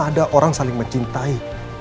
ada orang saling mencintai